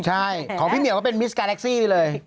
ใช่ของพี่เหมียวก็เป็นมิสกาแท็กซี่ไปเลย